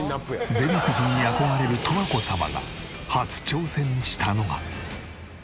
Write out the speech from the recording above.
デヴィ夫人に憧れる十和子様が初挑戦したのが。